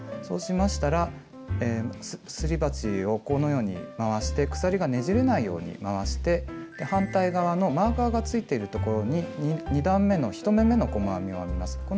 そうしましたらすり鉢をこのように回して鎖がねじれないように回して反対側のマーカーがついているところに２段めの１目めの細編みを編みます。